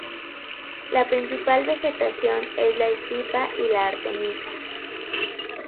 La principal vegetación es la "stipa" y la artemisia.